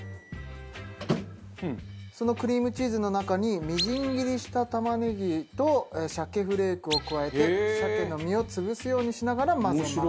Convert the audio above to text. そのクリームチーズの中にみじん切りした玉ねぎと鮭フレークを加えて鮭の身を潰すようにしながら混ぜます。